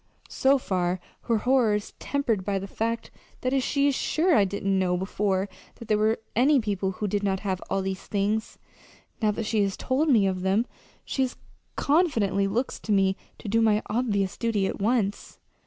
So far her horror is tempered by the fact that she is sure I didn't know before that there were any people who did not have all these things. Now that she has told me of them, she confidently looks to me to do my obvious duty at once."